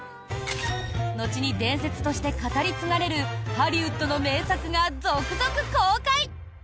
後に伝説として語り継がれるハリウッドの名作が続々、公開！